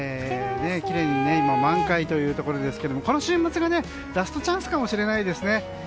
きれいに満開というところですがこの週末がラストチャンスかもしれないですね。